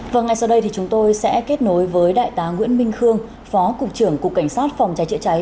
và ngày sau đây thì chúng tôi sẽ kết nối với đại tá nguyễn minh khương phó cục trưởng cục cảnh sát phòng trái chữa trái